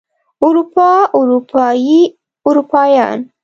اروپا اروپايي اروپايان